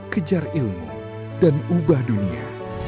kejar ilmu dan ubah dunia